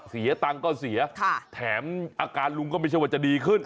เสียตังค์ก็เสียแถมอาการลุงก็ไม่ใช่ว่าจะดีขึ้น